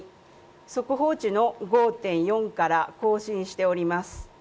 速報値の５．４から更新しております